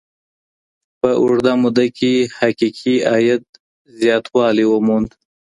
په اوږده موده کي حقيقي عايد زياتوالی وموند.